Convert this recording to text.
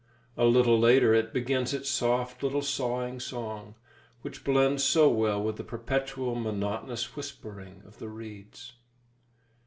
A little later it begins its soft little sawing song, which blends so well with the perpetual, monotonous whispering of the reeds.